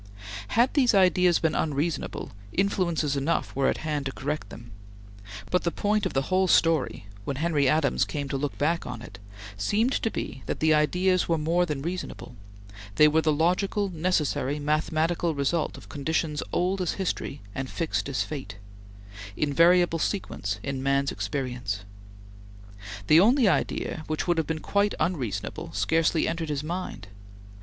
Had these ideas been unreasonable, influences enough were at hand to correct them; but the point of the whole story, when Henry Adams came to look back on it, seemed to be that the ideas were more than reasonable; they were the logical, necessary, mathematical result of conditions old as history and fixed as fate invariable sequence in man's experience. The only idea which would have been quite unreasonable scarcely entered his mind.